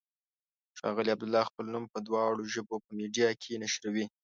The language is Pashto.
ښاغلی عبدالله خپل نوم په دواړو ژبو په میډیا کې نشروي.